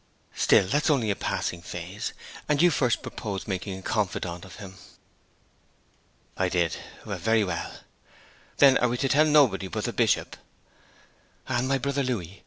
'Still, that's only a passing phase; and you first proposed making a confidant of him.' 'I did. ... Very well. Then we are to tell nobody but the Bishop?' 'And my brother Louis.